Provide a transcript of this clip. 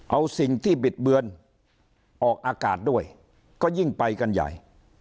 เอาสิ่งที่บิดเบือนออกอากาศด้วยก็ยิ่งไปกันใหญ่